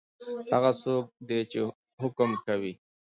هغه څوک دی چی حکم کوي؟